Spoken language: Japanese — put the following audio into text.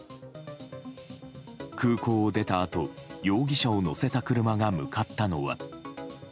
空港を出たあと容疑者を乗せた車が向かったのは。